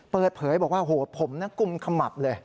เปิดเผยบอกว่าโหผมนะกุมขมับเลย